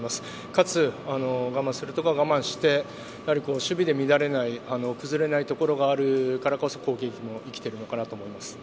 かつ、我慢するところは我慢して、守備で乱れない崩れないところがあるからこそ攻撃も生きているのかなと思います。